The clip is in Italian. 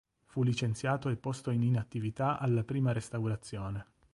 Fu licenziato e posto in inattività alla Prima Restaurazione.